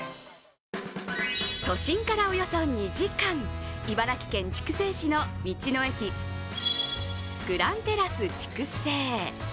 都心からおよそ２時間、茨城県筑西市の道の駅グランテラス筑西。